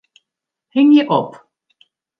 Hingje op.